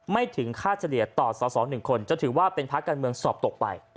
ถึงค่าเฉลี่ยต่อสอสอ๑คนจะถือว่าเป็นภาคการเมืองสอบตกไป